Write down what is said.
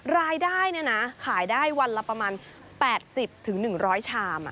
รายได้ขายได้วันละประมาณ๘๐๑๐๐ชาม